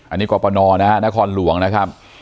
อันนี้กรปนนะครรวงษ์นะครับ